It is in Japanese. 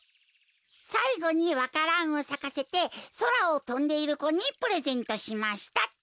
「さいごにわからんをさかせてそらをとんでいる子にプレゼントしました」っと。